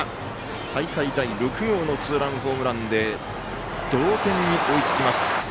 大会第６号のツーランホームランで同点に追いつきます。